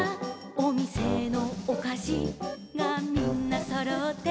「おみせのおかしがみんなそろって」